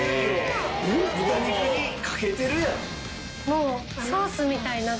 もう。